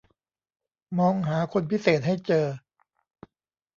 มองหาคนพิเศษให้เจอ